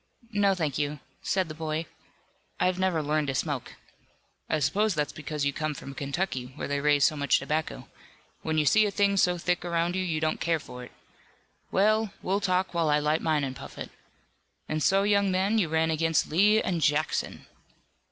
"No, thank you," said the boy, "I've never learned to smoke." "I suppose that's because you come from Kentucky, where they raise so much tobacco. When you see a thing so thick around you, you don't care for it. Well, we'll talk while I light mine and puff it. And so, young man, you ran against Lee and Jackson!"